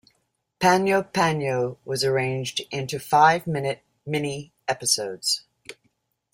Panyo Panyo was arranged into five-minute mini episodes.